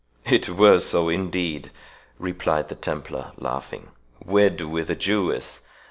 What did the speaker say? "It were so, indeed," replied the Templar, laughing; "wed with a Jewess?